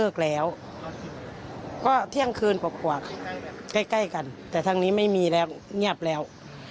แล้วก็เที่ยงคืนกว่าใกล้กันแต่ทางนี้ไม่มีแล้วเงียบแล้ว